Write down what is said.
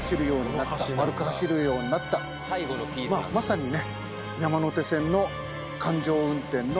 まさにね。